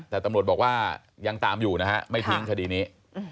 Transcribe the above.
แต่ตำรวจบอกว่ายังตามอยู่นะฮะไม่ทิ้งคดีนี้